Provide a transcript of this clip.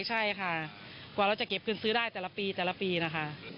ใช่ค่ะกว่าเราจะเก็บเงินซื้อได้แต่ละปีแต่ละปีนะคะ